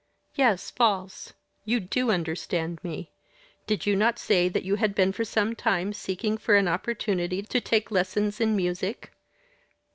"Yes, false. You do understand me. Did you not say that you had been for some time seeking for an opportunity to take lessons in music?"